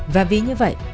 và vì như vậy